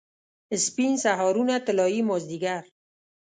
سپین سهارونه، طلايي مازدیګر